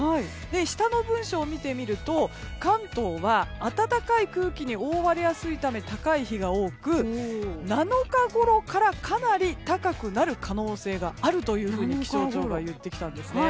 下の文章を見てみると関東は暖かい空気に覆われやすいため高い日が多く７日ごろからかなり高くなる可能性があると気象庁が言ってきたんですね。